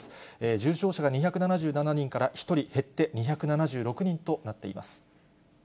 重症者が２７７人から１人減って、２７６人となっています。